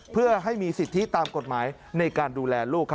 เพื่อให้มีสิทธิตามกฎหมายในการดูแลลูก